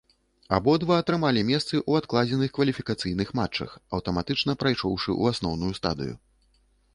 Абодва атрымалі месцы ў адкладзеных кваліфікацыйных матчах, аўтаматычна прайшоўшы ў асноўную стадыю.